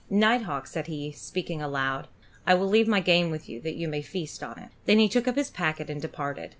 Night Hawk," said he, speaking aloud, "I will leave my game with you that you may feast on it." He then took up his packet and departed.